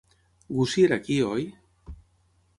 En Gussie era aquí, oi?